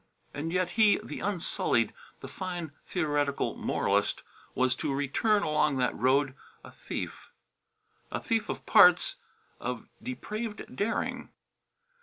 And yet he, the unsullied, the fine theoretical moralist, was to return along that road a thief. A thief of parts, of depraved daring.